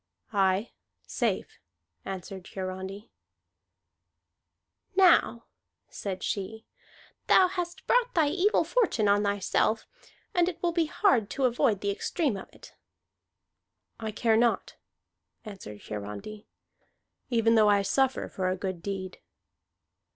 "Aye, safe," answered Hiarandi. "Now," said she, "thou hast brought thy evil fortune on thyself, and it will be hard to avoid the extreme of it." "I care not," answered Hiarandi, "even though I suffer for a good deed."